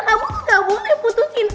kamu gak boleh putusin